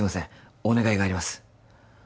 お願いがあります